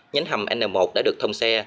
nhánh hầm n một đã được thông xe